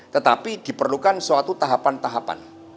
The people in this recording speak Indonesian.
tetapi diperlukan suatu tahapan tahapan